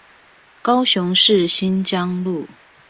高雄市新疆路